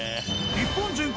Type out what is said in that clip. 日本全国